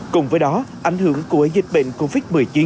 cùng với đó ảnh hưởng của dịch bệnh covid một mươi chín